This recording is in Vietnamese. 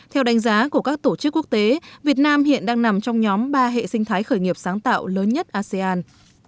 theo đánh giá của các tổ chức quốc tế việt nam hiện đang nằm trong nhóm ba hệ sinh thái khởi nghiệp sáng tạo lớn nhất asean